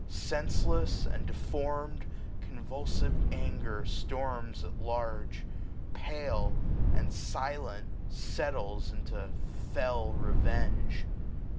Senseless, and deform'd, 280 Convulsive anger storms at large ; or pale. And silent, settles into fell revenge.